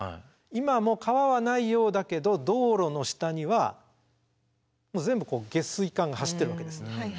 今はもう川はないようだけど道路の下には全部下水管が走ってるわけです。